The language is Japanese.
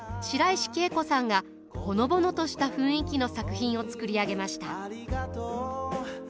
白石慶子さんがほのぼのとした雰囲気の作品を作り上げました。